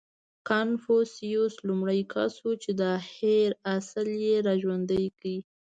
• کنفوسیوس لومړنی کس و، چې دا هېر اصل یې راژوندی کړ.